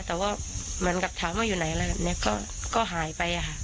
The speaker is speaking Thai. แต่ว่าเหมือนกับถามว่าอยู่ไหนอะไรแบบนี้ก็หายไปค่ะ